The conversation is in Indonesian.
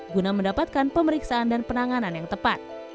guna mendapatkan pemeriksaan dan penanganan yang tepat